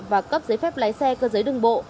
và cấp giấy phép lái xe cơ giới đường bộ